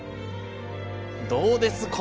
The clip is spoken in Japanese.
どうです？